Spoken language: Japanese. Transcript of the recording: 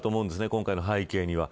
今回の背景には。